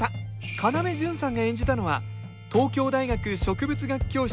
要潤さんが演じたのは東京大学植物学教室